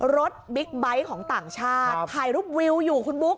บิ๊กไบท์ของต่างชาติถ่ายรูปวิวอยู่คุณบุ๊ค